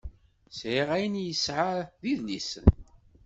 Sεiɣ ayen yesεa d idlisen.